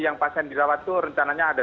yang pasien dirawat itu rencananya ada